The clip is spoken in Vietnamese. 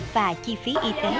và chi phí y tế